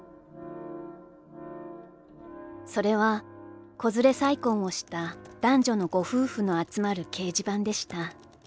「それは子連れ再婚をした男女のご夫婦の集まる掲示板でした。